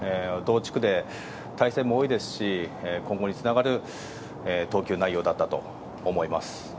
同地区で対戦も多いですし今後につながる投球内容だったと思います。